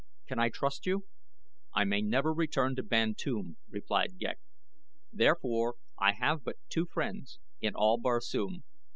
Can I trust you?" "I may never return to Bantoom," replied Ghek. "Therefore I have but two friends in all Barsoom.